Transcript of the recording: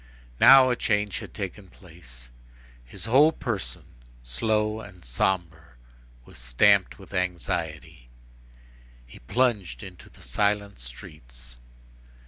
Now, a change had taken place; his whole person, slow and sombre, was stamped with anxiety. He plunged into the silent streets.